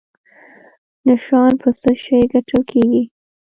نشان په څه شي ګټل کیږي؟